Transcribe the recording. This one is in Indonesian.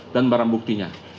dan barang buktinya